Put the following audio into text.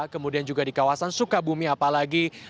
kemudian juga di kawasan sukabumi apalagi